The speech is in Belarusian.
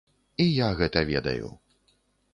І я гэта ведаю.